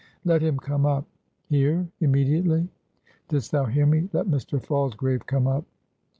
"Let him come up." "Here? Immediately?" "Didst thou hear me? Let Mr. Falsgrave come up."